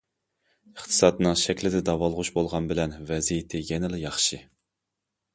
ئىقتىسادنىڭ شەكلىدە داۋالغۇش بولغان بىلەن ۋەزىيىتى يەنىلا ياخشى.